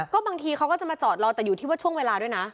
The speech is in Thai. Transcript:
ก็บางทีเขาก็จะมาจอดรอแต่อยู่ที่ว่าช่วงเวลาด้วยนะ